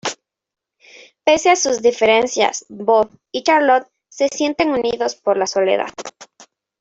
Pese a sus diferencias, Bob y Charlotte se sienten unidos por la soledad.